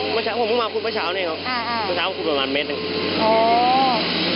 เมื่อเช้าผมมาขุดเมื่อเช้าเนี่ยครับเมื่อเช้าผมขุดประมาณเม็ดนึง